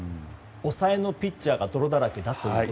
抑えのピッチャーが泥だらけだと。